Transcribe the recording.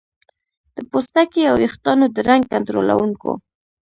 د پوستکي او ویښتانو د رنګ کنټرولونکو